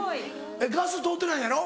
ガス通ってないんやろ？